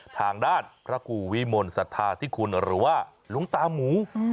ทางดาชพระกู่วิมลสัทธาทิคุณหรือว่าหลวงตามู